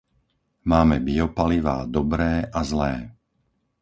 Máme biopalivá dobré a zlé.